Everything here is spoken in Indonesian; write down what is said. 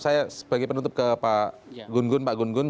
saya sebagai penutup ke pak gun gun